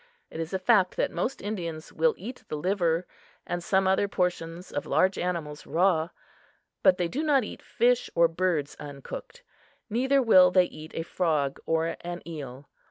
It is a fact that most Indians will eat the liver and some other portions of large animals raw, but they do not eat fish or birds uncooked. Neither will they eat a frog, or an eel.